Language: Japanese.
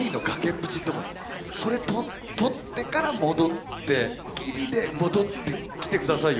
それ取ってから戻ってぎりで戻ってきて下さいよ。